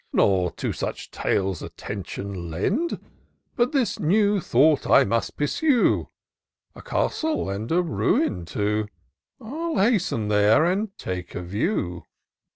Nor to such tales attention lend. — But this new thought I must pursue : A castle, and a ruin too ! I'll hasten there, and take a view."